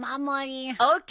ＯＫ！